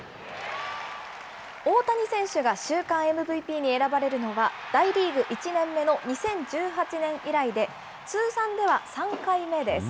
大谷選手が週間ＭＶＰに選ばれるのは、大リーグ１年目の２０１８年以来で、通算では３回目です。